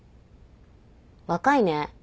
若いね。